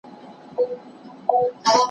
د نورو مالونه مه غصبوئ.